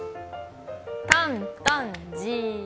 タンタン・じー。